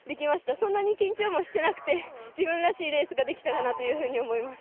そんなに緊張もしてなくて自分らしいレースができたかなと思います。